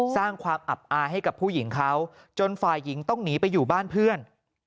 สร้างความอับอายให้กับผู้หญิงเขาจนฝ่ายหญิงต้องหนีไปอยู่บ้านเพื่อน